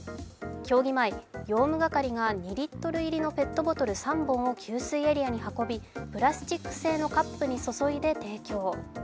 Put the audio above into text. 協議前、用務係が２リットル要りのペットボトル３本を給水エリアに運び、プラスチック製のカップに注いで提供。